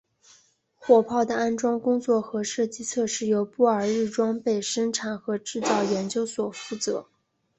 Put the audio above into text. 火炮的安装工作和射击测试由布尔日装备生产和制造研究所负责。